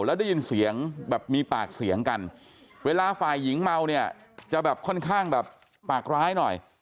แล้วได้ยินเสียงแบบมีปากเสียงกันเวลาฝ่ายหญิงเมาเนี่ยจะแบบค่อนข้างแบบปากร้ายหน่อย